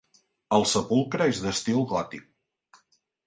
El sepulcre és d'estil gòtic.